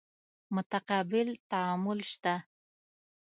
متقابل تعامل شته.